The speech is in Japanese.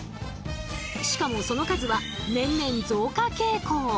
しかもその数は年々増加傾向。